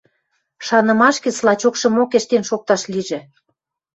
шанымаш гӹц лачокшымок ӹштен шокташ лижӹ.